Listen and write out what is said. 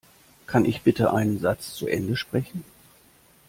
Kann ich bitte einen Satz zu Ende sprechen?